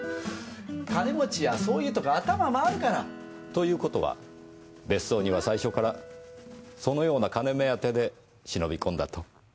金持ちはそういうとこ頭回るから。という事は別荘には最初からそのような金目当てで忍び込んだと？